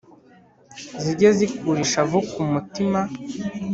zige zikura ishavu ku mutima